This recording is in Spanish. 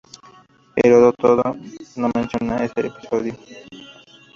Heródoto no menciona ese episodio.